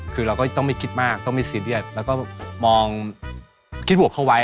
คือเราก็ต้องไม่คิดมากต้องไม่ซีเรียสแล้วก็มองคิดบวกเข้าไว้